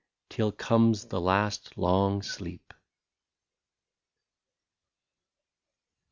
Till comes the last long sleep."